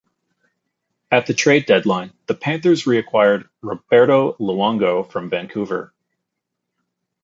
At the trade deadline, the Panthers reacquired Roberto Luongo from Vancouver.